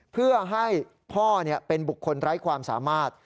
เพื่อให้พ่อเป็นบุคคลไร้ความสามารถ